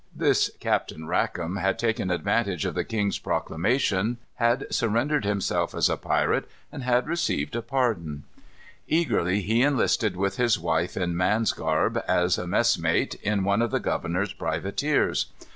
This Captain Rackam had taken advantage of the king's proclamation, had surrendered himself as a pirate, and had received a pardon. Eagerly he enlisted, with his wife in man's garb, as a messmate, in one of the governor's privateers.